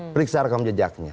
periksa rekam jejaknya